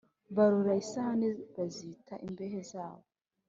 Barora isahani, bazita imbehe zabo;